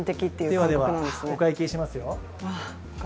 それではお会計しますよ。